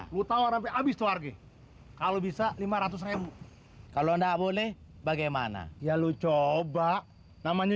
lu tahu rapi habis keluarga kalau bisa lima ratus kalau nggak boleh bagaimana ya lu coba namanya